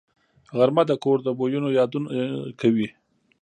غرمه د کور د بویونو یادونه کوي